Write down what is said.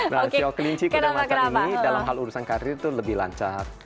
nah sio kelinci kuda dan macan ini dalam hal urusan karir itu lebih lancar